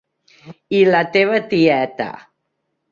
I la teva tieta.